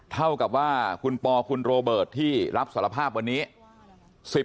เท่ากับว่าคุณปอคุณโรเบิร์ตที่รับสารภาพวันนี้